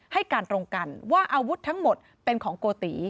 ให้การตรงกันว่าอาวุธทั้งหมดเป็นของโกติ